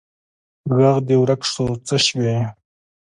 ږغ دي ورک سو څه سوي